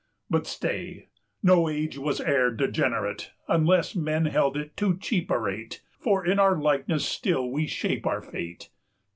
But stay! no age was e'er degenerate, Unless men held it at too cheap a rate, For in our likeness still we shape our fate.